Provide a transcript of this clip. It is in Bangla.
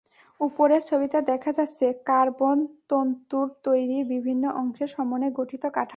ওপরের ছবিতে দেখা যাচ্ছে কার্বন-তন্তুর তৈরি বিভিন্ন অংশের সমন্বয়ে গঠিত কাঠামো।